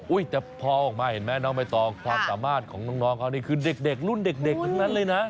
อุ๊ยแต่พอออกมาคู่นี้เอาออกมาต่อความสามารถของน้องคือรุ่นเด็กทั้งนั้นเลยนะ